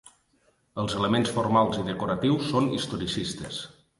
Els elements formals i decoratius són historicistes.